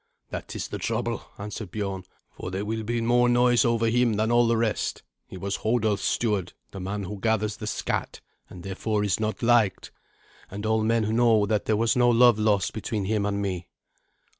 "That is the trouble," answered Biorn, "for there will be more noise over him than all the rest. He was Hodulf's steward, the man who gathers the scatt, and therefore is not liked. And all men know that there was no love lost between him and me."